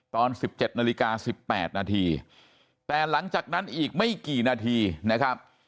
ตอนสิบเจ็ดนาฬิกาสิบแปดนาทีแต่หลังจากนั้นอีกไม่กี่นาทีนะครับ